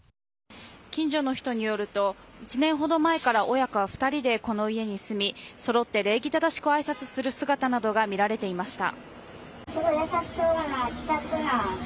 近所の人によると１年ほど前から親子は２人でこの家に住みそろって礼儀正しくあいさつする姿などが見られていました。